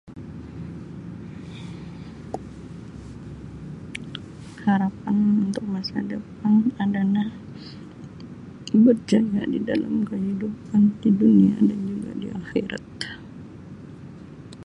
Harapan untuk masa depan adalah hidup saja di dalam kehidupan tu dunia dan juga di akhirat.